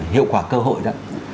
hiệu quả cơ hội đó